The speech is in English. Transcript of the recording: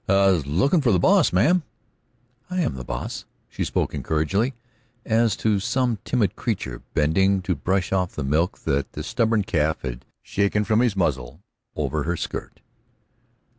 "I was looking for the boss, ma'am." "I'm the boss." She spoke encouragingly, as to some timid creature, bending to brush off the milk that the stubborn calf had shaken from its muzzle over her skirt.